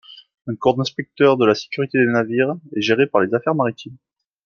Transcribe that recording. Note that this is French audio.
Un corps d’inspecteurs de la Sécurité des navires est géré par les Affaires maritimes.